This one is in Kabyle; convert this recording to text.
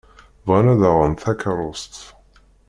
Bɣan ad d-aɣen takeṛṛust.